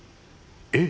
えっ！？